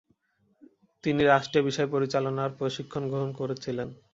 তিনি রাষ্ট্রীয় বিষয় পরিচালনার প্রশিক্ষণ গ্রহণ করেছিলেন।